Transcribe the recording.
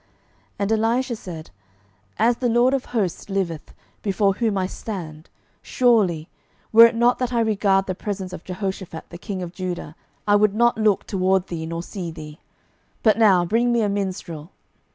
12:003:014 And Elisha said, As the LORD of hosts liveth, before whom I stand, surely, were it not that I regard the presence of Jehoshaphat the king of Judah, I would not look toward thee, nor see thee. 12:003:015 But now bring me a minstrel.